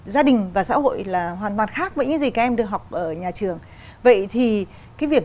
gia đình và xã hội là hoàn toàn khác với những gì các em được học ở nhà trường vậy thì cái việc